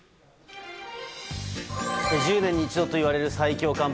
１０年に一度といわれる最強寒波。